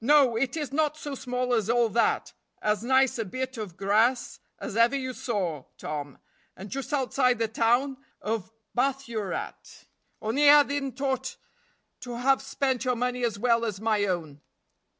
"No, it is not so small as all that; as nice a bit of grass as ever you saw, Tom, and just outside the town of Bathurat; only I didn't ought to have spent your money as well as my own."